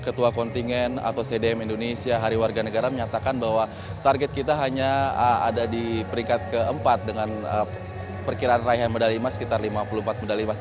ketua kontingen atau cdm indonesia hari warga negara menyatakan bahwa target kita hanya ada di peringkat keempat dengan perkiraan raihan medali emas sekitar lima puluh empat medali emas